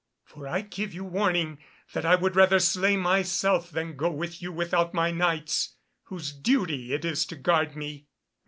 For I give you warning that I would rather slay myself than go with you without my Knights, whose duty it is to guard me."